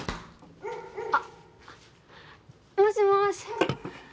あっもしもし。